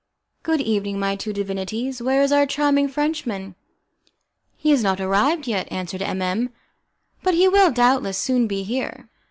"Good evening, my two divinities, where is our charming Frenchman?" "He has not arrived yet," answered M M , "but he will doubtless soon be here."